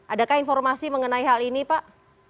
adakah informasi mengenai hal ini pak